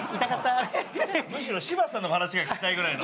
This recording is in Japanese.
むしろ柴田さんの話が聞きたいぐらいの。